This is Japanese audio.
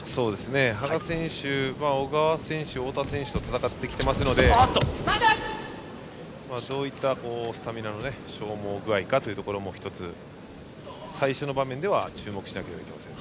羽賀選手は小川選手、太田選手と戦ってきていますのでどういったスタミナの消耗具合かというところも１つ、最初の場面では注目しないといけません。